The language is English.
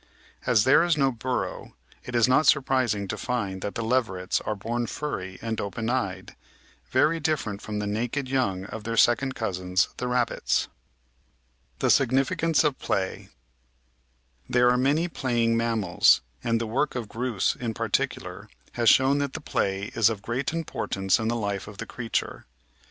As there is no burrow, it is not surprising to find that the leverets are bom furry and open eyed, very different from the naked young of their second cousins, the rabbits. The Significance of Play There are many playing manunals, and the work of Groos in particular has shown that the play is of great importance in the life of the creature.